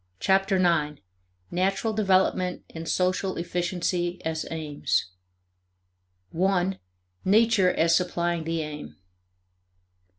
Chapter Nine: Natural Development and Social Efficiency as Aims 1. Nature as Supplying the Aim.